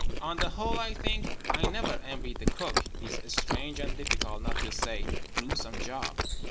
On the whole, I think I never envied the Cook his strange and difficult, not to say gruesome, job.